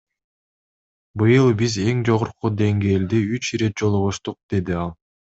Быйыл биз эң жогорку деңгээлде үч ирет жолугуштук, — деди ал.